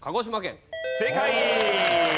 正解。